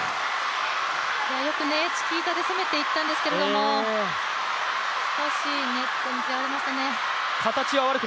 よくチキータで攻めていったんですけれども、少しネットに嫌われましたね。